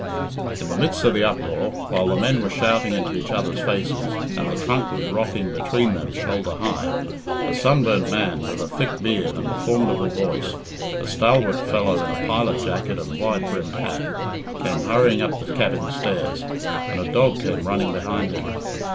In the midst of the uproar, while the men were shouting into each other's faces, and the trunk was rocking between them shoulder high, a sunburnt man, with a thick beard and a formidable voice, a stalwart fellow in a pilot jacket and wide brimmed hat, came hurrying up the cabin stairs, and a dog came running behind him.